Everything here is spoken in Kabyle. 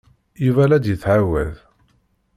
Yuba la d-yettɛawad.